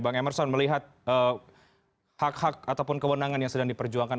bang emerson melihat hak hak ataupun kewenangan yang sedang diperjuangkan